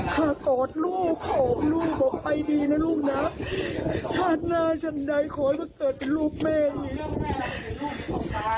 ค่ะกอดลูกออกลูกบอกไปดีนะลูกนะชาติหน้าฉันใดขอให้มันเกิดเป็นลูกแม่อีก